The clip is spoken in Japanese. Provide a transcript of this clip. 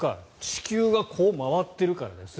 地球がこう回っているからです。